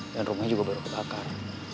rumahnya juga baru kebakar